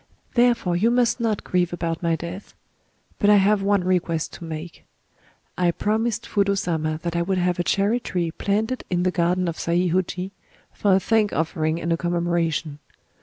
Therefore you must not grieve about my death... But I have one request to make. I promised Fudō Sama that I would have a cherry tree planted in the garden of Saihōji, for a thank offering and a commemoration.